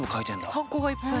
ハンコがいっぱい。